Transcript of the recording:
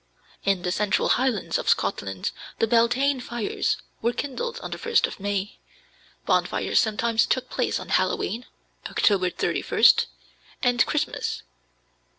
In the central highlands of Scotland the Beltane fires were kindled on the 1st of May. Bonfires sometimes took place on Halloween (October 31st) and Christmas.